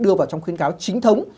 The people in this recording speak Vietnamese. đưa vào trong khuyến cáo chính thống